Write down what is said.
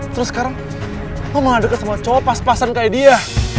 terus sekarang aku mengadakan sama cowok pas pasan kayak dia